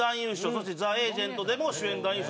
そして『ザ・エージェント』でも主演男優賞。